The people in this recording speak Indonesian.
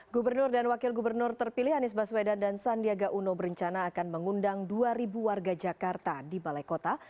gubernur dan wakil gubernur terpilih anies baswedan dan sandiaga uno berencana akan mengundang dua warga jakarta di balai kota